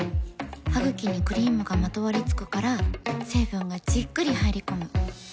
ハグキにクリームがまとわりつくから成分がじっくり入り込む。